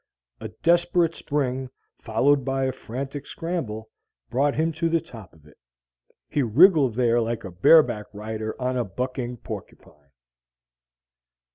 A desperate spring, followed by a frantic scramble, brought him to the top of it. He wriggled there like a bareback rider on a bucking porcupine.